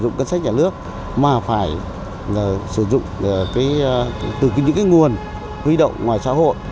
sử dụng cân sách nhà nước mà phải sử dụng từ những nguồn huy động ngoài xã hội